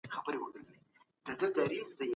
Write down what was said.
هغه د خپلي مقالې لپاره دلایل لټوي.